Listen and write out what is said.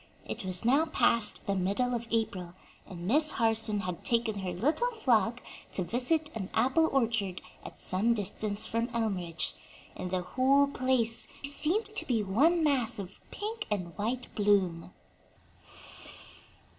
It was now past the middle of April, and Miss Harson had taken her little flock to visit an apple orchard at some distance from Elmridge, and the whole place seemed to be one mass of pink and white bloom.